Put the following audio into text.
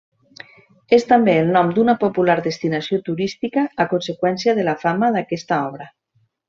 És també el nom d'una popular destinació turística a conseqüència de la fama d'aquesta obra.